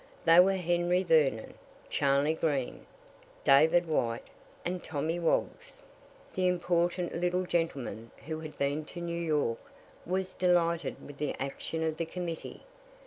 They were Henry Vernon, Charley Green, David White, and Tommy Woggs. The important little gentleman who had been to New York, was delighted with the action of the committee.